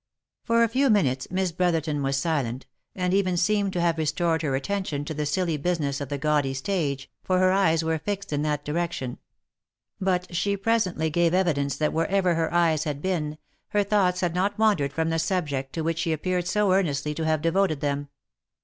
For a few minutes Miss Brotherton was silent, and even seemed to have restored her attention to the silly business of the gaudy stage, for her eyes were fixed in that direction ; but she presently gave evidence that wherever her eyes had been, her thoughts had not wandered 108 THE LIFE AND ADVENTURES from the subject to which she appeared so earnestly to have devoted them.